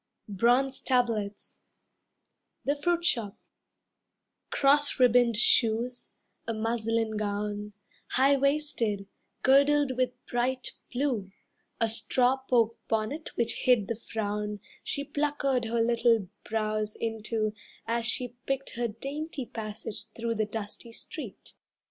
BRONZE TABLETS The Fruit Shop Cross ribboned shoes; a muslin gown, High waisted, girdled with bright blue; A straw poke bonnet which hid the frown She pluckered her little brows into As she picked her dainty passage through The dusty street.